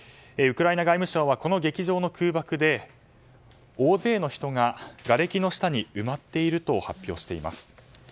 ウクライナ外務省はこの劇場の空爆で大勢の人が、がれきの下に埋まっていると発表しています。